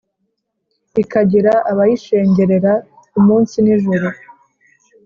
ikagira abayishengerera; umunsi nijoro;